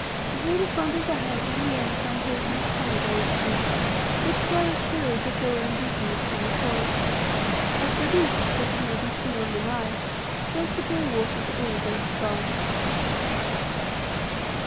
Before the front of the house is a young plantation of pomegranate trees, which flourish here as if they were indigenous to the soil. A shadoof, such as may be seen on the Nile, serves to draw water to irrigate the gardens.